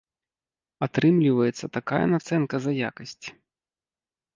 Атрымліваецца такая нацэнка за якасць!